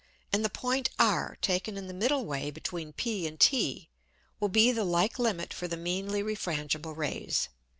And the Point r taken in the middle Way between p and t, will be the like Limit for the meanly refrangible Rays.